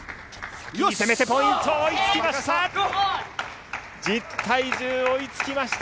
先に攻めてポイント、追いつきました。